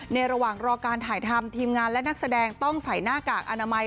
ระหว่างรอการถ่ายทำทีมงานและนักแสดงต้องใส่หน้ากากอนามัย